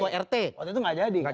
waktu itu gak jadi